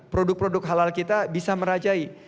produk produk halal kita bisa merajai